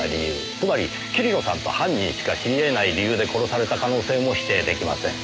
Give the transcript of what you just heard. つまり桐野さんと犯人しか知りえない理由で殺された可能性も否定できません。